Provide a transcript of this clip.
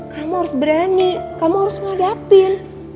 kamu harus berani kamu harus ngadapin